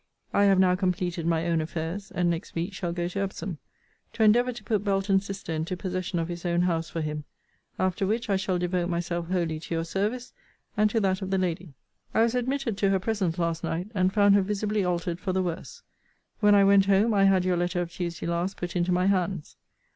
I have now completed my own affairs; and, next week, shall go to Epsom, to endeavour to put Belton's sister into possession of his own house for him: after which, I shall devote myself wholly to your service, and to that of the lady. I was admitted to her presence last night; and found her visibly altered for the worse. When I went home, I had your letter of Tuesday last put into my hands.